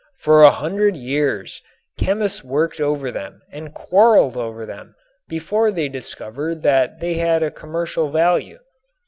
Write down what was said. For a hundred years chemists worked over them and quarreled over them before they discovered that they had a commercial value.